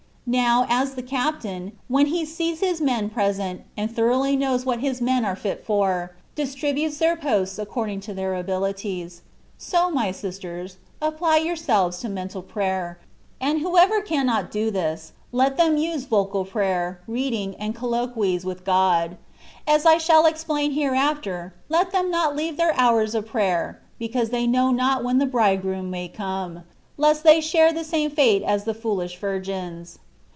Now, as the captain, when he sees his men present, and thoroughly knows what his men are fit for, distributes their posts according to their abilities : so, my sisters, apply yourselves to mental prayer; and whoever cannot do this, let them use vocal prayer, reading, and colloquies with God ; as I shall explain here after, let them not leave their hours of prayer (because they know not when the Bridegroom may come), lest they share the same fate as the fooRsh virgins.